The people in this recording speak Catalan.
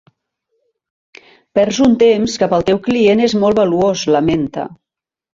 Perds un temps que, per al teu client, és molt valuós, lamenta.